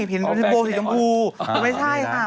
เป็นโบสถิตย์กำบูแต่ไม่ใช่ค่ะ